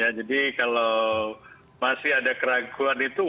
ya jadi kalau masih ada keraguan di tua